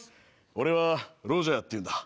俺はロジャーっていうんだ。